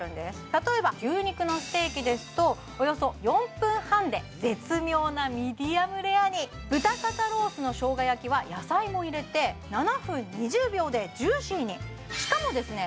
例えば牛肉のステーキですとおよそ４分半で絶妙なミディアムレアに豚肩ロースの生姜焼きは野菜も入れて７分２０秒でジューシーにしかもですね